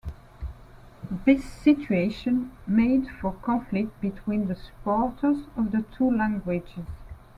This situation made for conflict between the supporters of the two languages.